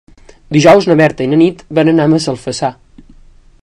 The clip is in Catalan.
Dijous na Berta i na Nit van a Massalfassar.